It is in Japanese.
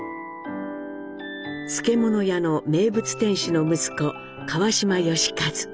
漬物屋の名物店主の息子・川島喜一。